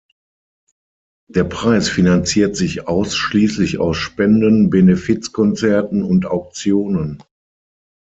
Der Preis finanziert sich ausschließlich aus Spenden, Benefizkonzerten und Auktionen.